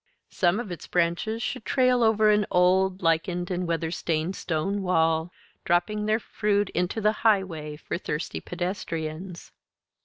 Some of its branches should trail over an old, lichened and weather stained stone wall, dropping their fruit into the highway for thirsty pedestrians.